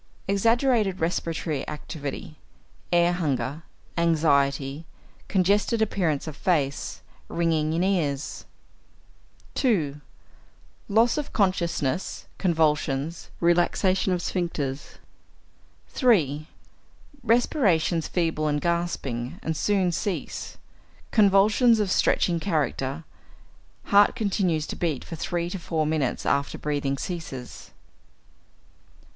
Exaggerated respiratory activity; air hunger; anxiety; congested appearance of face; ringing in ears. 2. Loss of consciousness; convulsions; relaxation of sphincters. 3. Respirations feeble and gasping, and soon cease; convulsions of stretching character; heart continues to beat for three to four minutes after breathing ceases.